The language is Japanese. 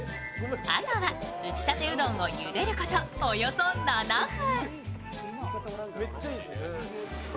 後は打ち立てうどんをゆでることおよそ７分。